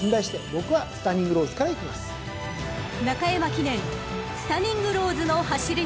［中山記念スタニングローズの走りに注目］